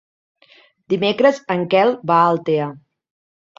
Dimecres en Quel va a Altea.